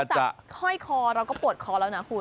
คือเอาโทรศัพท์ห้อยคอเราก็ปวดคอแล้วนะคุณ